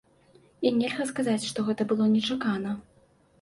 І нельга сказаць, што гэта было нечакана.